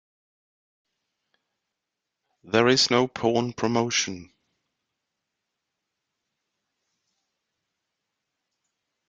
There is no pawn promotion.